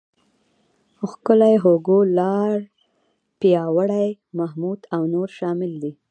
ښکلی، هوګو، لاړ، پیاوړی، محمود او نور شامل دي.